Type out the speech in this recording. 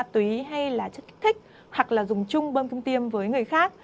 thích hoặc là dùng chung bơm thông tiêm với người khác